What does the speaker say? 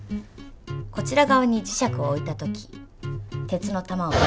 こちら側に磁石を置いたとき鉄の玉は。